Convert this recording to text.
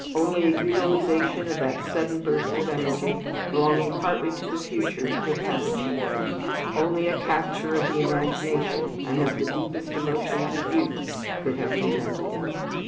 Only a utilization of that sudden burst of energy belonging partly to the future could have achieved them, only a capture of the imagination and of the deepest emotions of youth could have prevented them!